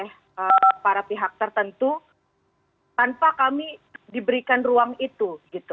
kami hanya dijadikan objek pada para pihak tertentu tanpa kami diberikan ruang itu